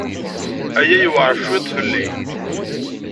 Aya yewɛeṛ cwiṭ fell-i.